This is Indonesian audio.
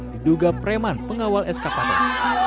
diduga preman pengawal eskavator